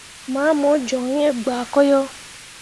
Ma mu joŋ iŋ gbaako yo.